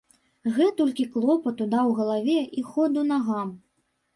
Гэтулькі клопату даў галаве і ходу нагам.